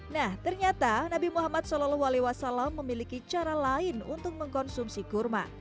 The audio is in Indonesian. nah ternyata nabi muhammad saw memiliki cara lain untuk mengkonsumsi kurma